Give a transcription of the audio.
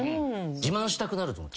自慢したくなると思う。